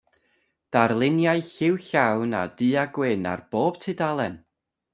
Darluniau lliw-llawn a du-a-gwyn ar bob tudalen.